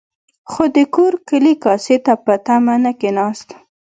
خو د کورو کلي کاسې ته په تمه نه کېناست.